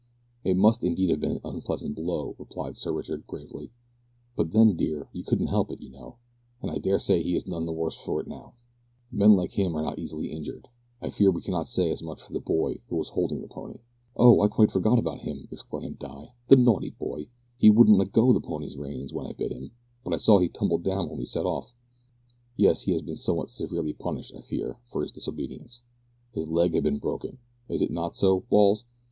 "It must indeed have been an unpleasant blow," replied Sir Richard, gravely, "but then, dear, you couldn't help it, you know and I dare say he is none the worse for it now. Men like him are not easily injured. I fear we cannot say as much for the boy who was holding the pony." "Oh! I quite forgot about him," exclaimed Di; "the naughty boy! he wouldn't let go the pony's reins when I bid him, but I saw he tumbled down when we set off." "Yes, he has been somewhat severely punished, I fear, for his disobedience. His leg had been broken. Is it not so, Balls?"